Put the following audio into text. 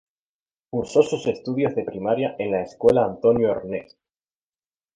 Cursó sus estudios de primaria en la Escuela Antonio Ernest.